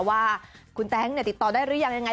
ว่าคุณแต๊งติดต่อได้หรือยังยังไง